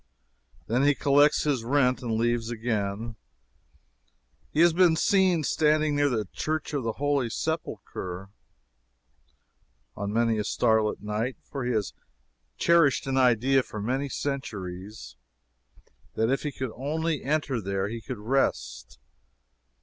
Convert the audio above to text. Then he collects his rent and leaves again. He has been seen standing near the Church of the Holy Sepulchre on many a starlight night, for he has cherished an idea for many centuries that if he could only enter there, he could rest.